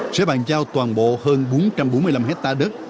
sẽ bàn giao toàn bộ hơn bốn trăm bốn mươi năm hectare đất